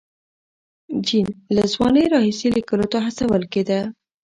جین له ځوانۍ راهیسې لیکلو ته هڅول کېده.